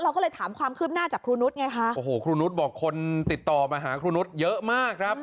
เราก็เลยถามความคืบหน้าจากครูนุษย์ไงคะโอ้โหครูนุษย์บอกคนติดต่อมาหาครูนุษย์เยอะมากครับ